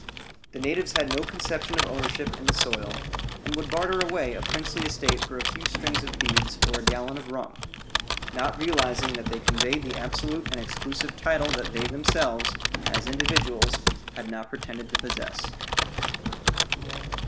The natives had no conception of ownership in the soil, and would barter away a princely estate for a few strings of beads or a gallon of rum, not realizing that they conveyed the absolute and exclusive title that they themselves, as individuals, had not pretended to possess.